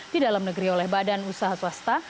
di dalam negeri oleh badan usaha swasta